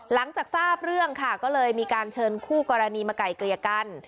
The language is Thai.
หลังจากทราบเรื่องค่ะก็เลยมีการเชิญคู่กรณีมาไกลเกลี่ยกัน